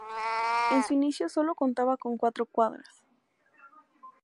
En su inicio sólo contaba con cuatro cuadras.